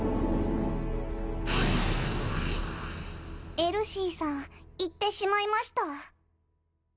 エルシーさん行ってしまいました。